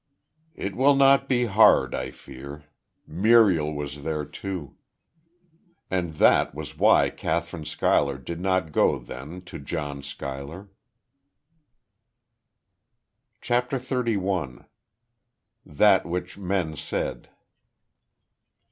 "It will not be hard, I fear. Muriel was there, too." And that was why Kathryn Schuyler did not go, then, to John Schuyler. CHAPTER THIRTY ONE. THAT WHICH MEN SAID.